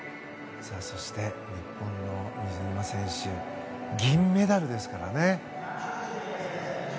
そして日本の水沼選手銀メダルですからね。